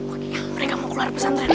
oke mereka mau keluar pesantren